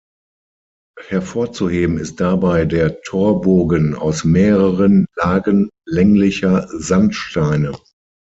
Hervorzuheben ist dabei der Torbogen aus mehreren Lagen länglicher Sandsteine.